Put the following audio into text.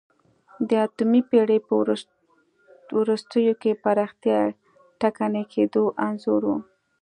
د اتمې پېړۍ په وروستیو کې پراختیا ټکنۍ کېدو انځور و